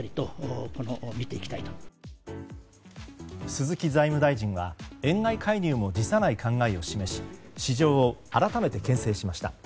鈴木財務大臣は円買い介入も辞さない考えを示し市場を改めて牽制しました。